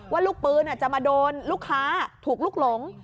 ว่าลูกปืนจะมาโดนลูกค้าถูกลุกหลง